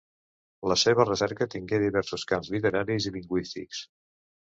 La seva recerca tingué diversos camps, literaris i lingüístics.